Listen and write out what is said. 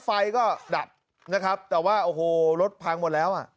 ไฟก็ดับนะครับแต่ว่าโอ้โหรถพังหมดแล้วอ่ะ